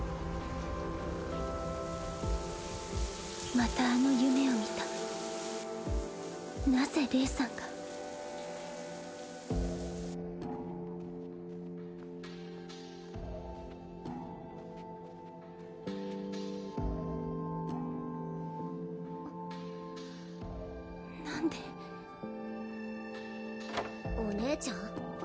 またあの夢を見たなぜレイさんが何でお姉ちゃん？